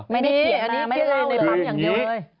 ไม่ได้เขียนอันนี้เขียนในปั๊มอย่างเดียวเลย